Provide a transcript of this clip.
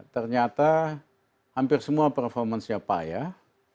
ternyata hampir semua performance nya payah